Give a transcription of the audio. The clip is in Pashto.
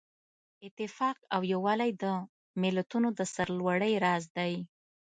اتفاق او یووالی د ملتونو د سرلوړۍ راز دی.